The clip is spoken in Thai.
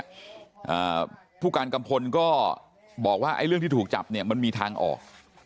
อ่าผู้การกัมพลก็บอกว่าไอ้เรื่องที่ถูกจับเนี่ยมันมีทางออก